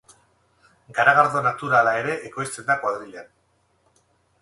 Garagardo naturala ere ekoizten da kuadrillan.